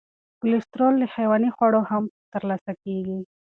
کلسترول له حیواني خوړو هم تر لاسه کېږي.